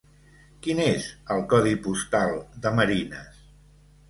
Quin és el codi postal de Marines?